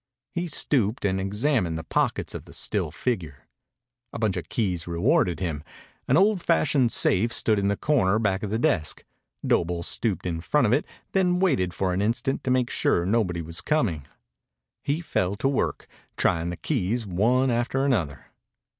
He stooped and examined the pockets of the still figure. A bunch of keys rewarded him. An old fashioned safe stood in the corner back of the desk. Doble stooped in front of it, then waited for an instant to make sure nobody was coming. He fell to work, trying the keys one after another.